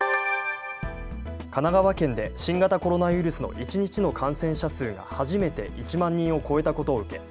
神奈川県で新型コロナウイルスの一日の感染者数が初めて１万人を超えたことを受け